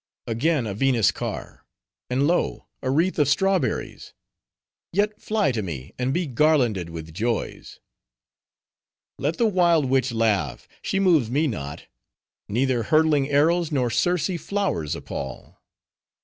"Again a Venus car; and lo! a wreath of strawberries!—Yet fly to me, and be garlanded with joys." "Let the wild witch laugh. She moves me not. Neither hurtling arrows nor Circe flowers appall."